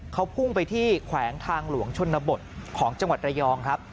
เขาพุ่งไปที่แขวงทางหลวงชนบทของจังหวัดระยองครับ